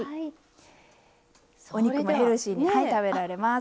お肉もヘルシーに食べられます。